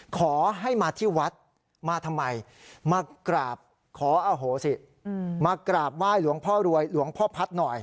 ขอให้มาที่วัดมาทำไมมากราบขออโหสิมากราบไหว้หลวงพ่อรวยหลวงพ่อพัฒน์หน่อย